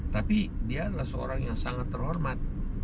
tapi dia adalah seorang yang sangat terhormat